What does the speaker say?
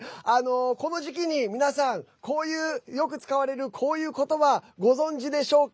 この時期に皆さんよく使われる、こういう言葉ご存じでしょうか？